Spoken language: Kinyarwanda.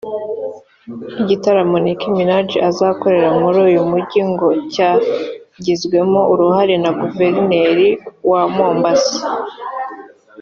Igitaramo Nicki Minaj azakorera muri uyu mujyi ngo cyagizwemo uruhare na Guverineri wa Mombasa